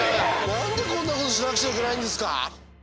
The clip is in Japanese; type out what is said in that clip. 何でこんな事しなくちゃいけないんですか？